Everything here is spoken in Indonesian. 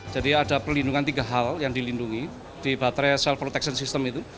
jadi ada perlindungan tiga hal yang dilindungi di baterai self protection system itu